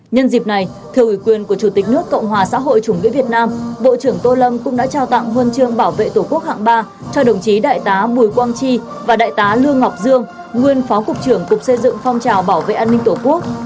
nhân dịp này thưa ủy quyền của chủ tịch nước cộng hòa xã hội chủ nghĩa việt nam bộ trưởng tô lâm cũng đã trao tặng huân chương bảo vệ tổ quốc hạng ba cho đồng chí đại tá bùi quang chi và đại tá lương ngọc dương nguyên phó cục trưởng cục xây dựng phong trào bảo vệ an ninh tổ quốc